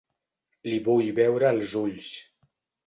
Li vull veure els ulls.